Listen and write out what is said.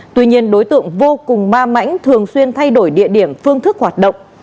tuy nhiên đối tượng vô cùng ma mãnh thường xuyên thay đổi địa điểm phương thức hoạt động